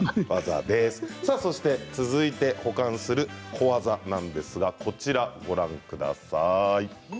続いて保管する小技なんですがこちらをご覧ください。